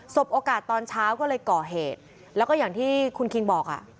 โอกาสตอนเช้าก็เลยก่อเหตุแล้วก็อย่างที่คุณคิงบอกอ่ะ